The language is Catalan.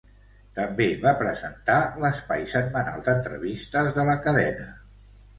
També va presentar l'espai setmanal d'entrevistes de la cadena.